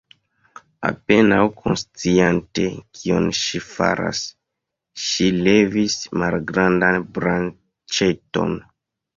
Apenaŭ konsciante kion ŝi faras, ŝi levis malgrandan branĉeton.